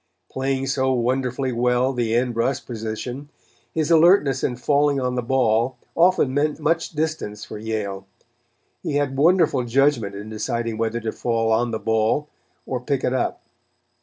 Playing so wonderfully well the end rush position, his alertness in falling on the ball often meant much distance for Yale. He had wonderful judgment in deciding whether to fall on the ball or pick it up.